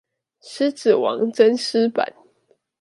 獅子王真獅版